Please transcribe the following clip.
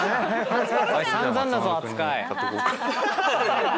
散々だぞ扱い。